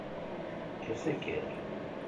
کھسی کیر۔